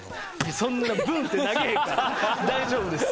そんなブンッ！って投げへんから大丈夫です。